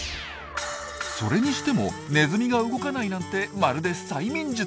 それにしてもネズミが動かないなんてまるで催眠術。